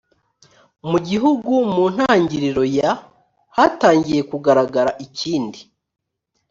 mu gihugu mu ntangiriro ya hatangiye kugaragara ikindi